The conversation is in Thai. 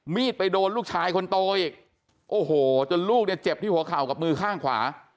ไปโดนลูกชายคนโตอีกโอ้โหจนลูกเนี่ยเจ็บที่หัวเข่ากับมือข้างขวา